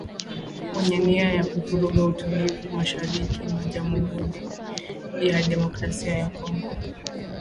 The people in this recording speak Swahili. wenye nia ya kuvuruga utulivu mashariki mwa Jamuhuri ya demokrasia ya Kongo